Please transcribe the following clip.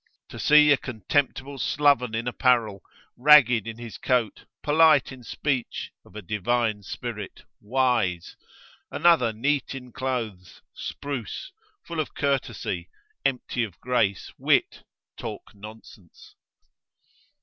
To see a silly contemptible sloven in apparel, ragged in his coat, polite in speech, of a divine spirit, wise? another neat in clothes, spruce, full of courtesy, empty of grace, wit, talk nonsense?